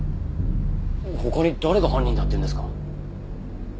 他に誰が犯人だっていうんですか？